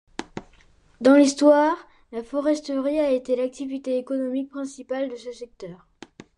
Dans l'histoire, la foresterie a été l'activité économique principale de ce secteur.